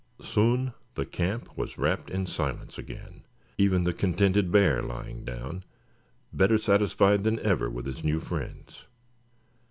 Soon the camp was wrapped in silence again, even the contented bear lying down, better satisfied than ever with his new friends.